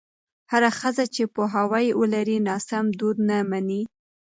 هره ښځه چې پوهاوی ولري، ناسم دود نه مني.